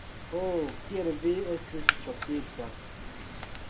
Ho, kiel vi estis ŝokita!